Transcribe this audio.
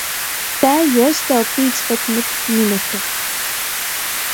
Tai juostuov pīcpadsmit minotu.